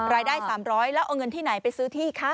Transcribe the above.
รายได้๓๐๐แล้วเอาเงินที่ไหนไปซื้อที่คะ